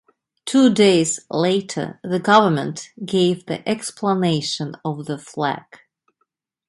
Two days later the government gave the explanation of the flag.